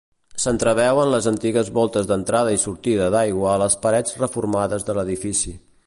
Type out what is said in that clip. S'entreveuen les antigues voltes d'entrada i sortida d'aigua a les parets reformades de l'edifici.